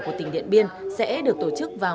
của tỉnh điện biên sẽ được tổ chức vào